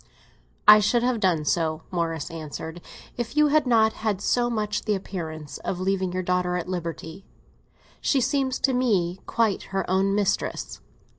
"I should have done so," Morris answered, "if you had not had so much the appearance of leaving your daughter at liberty. She seems to me quite her own mistress."